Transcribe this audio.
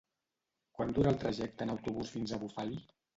Quant dura el trajecte en autobús fins a Bufali?